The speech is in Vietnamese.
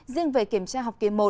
riêng về kiểm tra học kỳ một